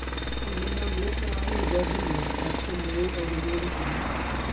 Ond mae'n amlwg na lwyddodd hynny, a'r Cymry oedd yn fuddugol.